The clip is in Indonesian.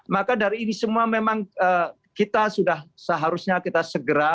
maka dari ini semua memang kita sudah seharusnya kita segera